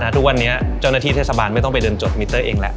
ทุกวันนี้เจ้าหน้าที่เทศบาลไม่ต้องไปเดินจดมิเตอร์เองแล้ว